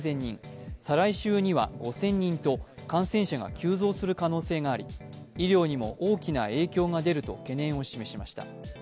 再来週には５０００人と感染者が急増する可能性があり医療にも大きな影響が出ると懸念を示しました。